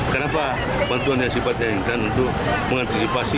kenapa bantuan yang sifatnya instan untuk mengantisipasi